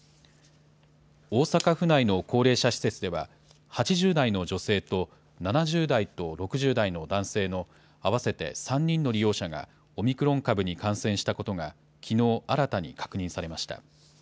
大阪府内の高齢者施設では、８０代の女性と７０代と６０代の男性の合わせて３人の利用者がオミクロン株に感染したことが、きのう、新たに確認されました。